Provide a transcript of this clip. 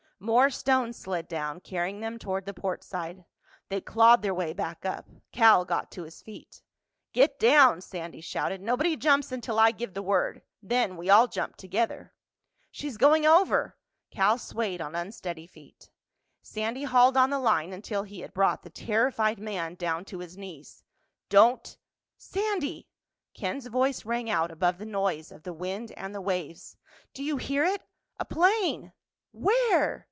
More stone slid down, carrying them toward the portside. They clawed their way back up. Cal got to his feet. "Get down!" Sandy shouted. "Nobody jumps until I give the word. Then we all jump together." "She's going over!" Cal swayed on unsteady feet. Sandy hauled on the line until he had brought the terrified man down to his knees. "Don't—" "Sandy!" Ken's voice rang out above the noise of the wind and the waves. "Do you hear it? A plane!" "Where!"